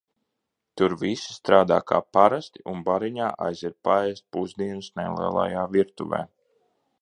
Tur visi strādā kā parasti un bariņā aiziet paēst pusdienas nelielajā virtuvē.